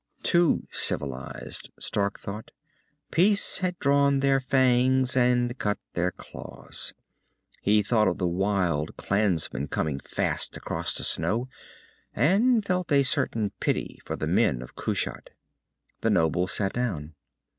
Too civilized, Stark thought. Peace had drawn their fangs and cut their claws. He thought of the wild clansmen coming fast across the snow, and felt a certain pity for the men of Kushat. The noble sat down.